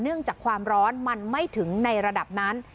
จากความร้อนมันไม่ถึงในระดับนั้น